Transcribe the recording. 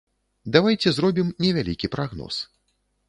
Давайце зробім невялікі прагноз.